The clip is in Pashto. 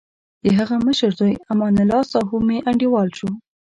دهغه مشر زوی امان الله ساهو مې انډیوال شو.